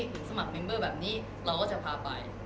สมัครเมมเบอร์แบบนี้เราก็จะพาไป